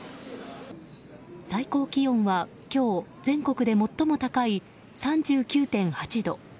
最高気温は今日全国で最も高い３９．８度。